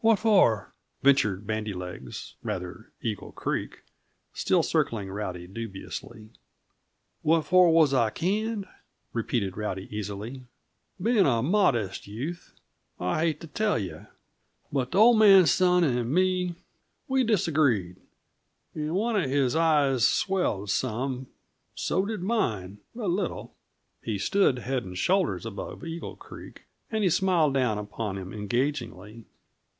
"What for?" ventured Bandy legs rather, Eagle Creek still circling Rowdy dubiously. "What for was I canned?" repeated Rowdy easily. "Being a modest youth, I hate t' tell yuh. But the old man's son and me, we disagreed, and one of his eyes swelled some; so did mine, a little." He stood head and shoulders above Eagle Creek, and he smiled down upon him engagingly.